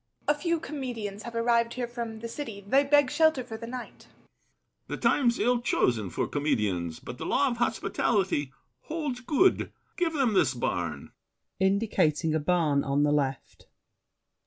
A few comedians have arrived here from The city; they beg shelter for the night. BRICHANTEAU. The time's ill chosen for comedians, but The law of hospitality holds good. Give them this barn. [Indicating a barn on the left.